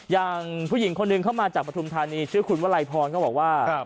อย่างผู้หญิงคนหนึ่งเข้ามาจากปฐุมธานีชื่อคุณวลัยพรก็บอกว่า